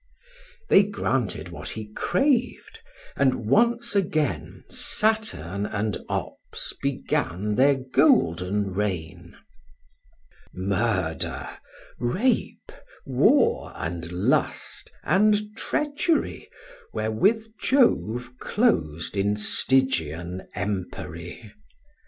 They granted what he crav'd; and once again Saturn and Ops began their golden reign: Murder, rape, war, and lust, and treachery, Were with Jove clos'd in Stygian empery.